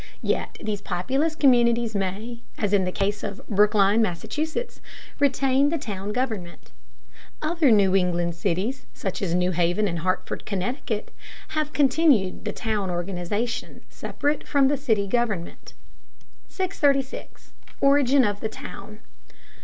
Yet these populous communities may, as in the case of Brookline, Massachusetts, retain the town government. Other New England cities, such as New Haven and Hartford, Connecticut, have continued the town organization separate from the city government. 636. ORIGIN OF THE TOWN.